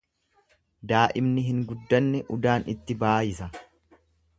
Daa'imni hin guddanne udaan itti baayisa.